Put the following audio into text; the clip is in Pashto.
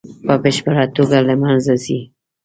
په بشپړه توګه له منځه ځي.